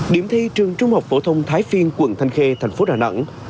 điểm thi trường trung học phổ thông thái phiên quận thanh khê tp đà nẵng